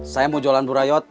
saya mau jualan burayot